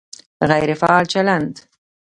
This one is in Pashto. غیر فعال چلند